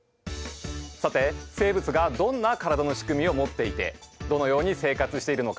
さて生物がどんな体の仕組みを持っていてどのように生活しているのか。